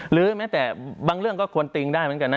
หรือแม้แต่บางเรื่องก็ควรติงได้เหมือนกันนะ